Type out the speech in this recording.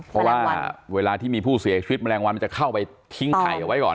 เพราะว่าเวลาที่มีผู้เสียชีวิตแมลงวันมันจะเข้าไปทิ้งไข่เอาไว้ก่อน